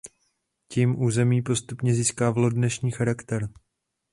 Tím území postupně získávalo dnešní charakter.